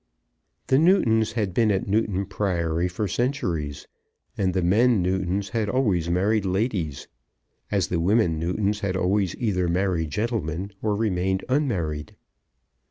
The Newtons had been at Newton Priory for centuries, and the men Newtons had always married ladies, as the women Newtons had always either married gentlemen or remained unmarried.